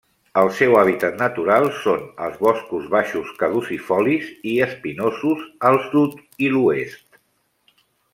El seu hàbitat natural són els boscos baixos caducifolis i espinosos al sud i l'oest.